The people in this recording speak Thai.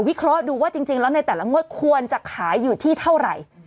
เคราะห์ดูว่าจริงแล้วในแต่ละงวดควรจะขายอยู่ที่เท่าไหร่